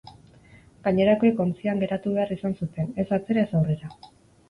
Gainerakoek ontzian geratu behar izan zuten, ez atzera ez aurrera.